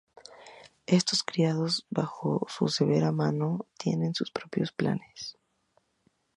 Estos, criados bajo su severa mano, tienen sus propios planes.